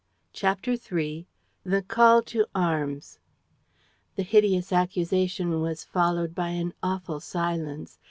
CHAPTER III THE CALL TO ARMS The hideous accusation was followed by an awful silence.